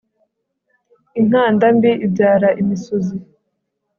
inkanda mbi ibyara imisuzi